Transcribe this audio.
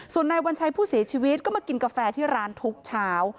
ส่วนนายวัญชัยผู้เสียชีวิตก็มากินกาแฟที่ร้านทุกเช้า